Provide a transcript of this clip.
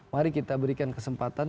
mari kita berikan kesempatan